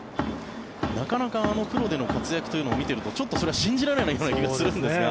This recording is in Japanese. なかなかプロでの活躍を見ているとちょっとそれは信じられないような気がするんですが。